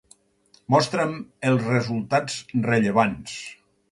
Mostra'm els resultats rellevants.